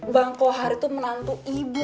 bang kohar itu menantu ibu